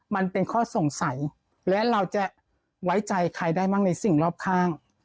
มันเป็นข้อสงสัยและเราจะไว้ใจใครได้มั่งในสิ่งรอบข้าง